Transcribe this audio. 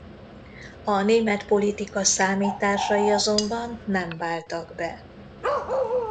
A német politika számításai azonban nem váltak be.